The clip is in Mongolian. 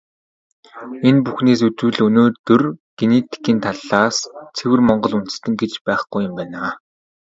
Энэ бүхнээс үзвэл, өнөөдөр генетикийн талаас ЦЭВЭР МОНГОЛ ҮНДЭСТЭН гэж байхгүй юм байна.